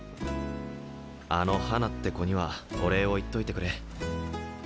あの花って子にはお礼を言っといてくれ。